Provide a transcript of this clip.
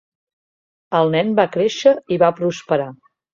El nen va créixer i va prosperar.